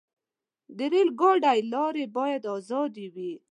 د ریل ګاډي لارې باید آزادې وي.